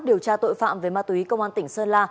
điều tra tội phạm về ma túy công an tỉnh sơn la